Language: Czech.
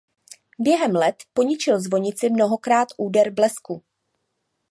Během let poničil zvonici mnohokrát úder blesku.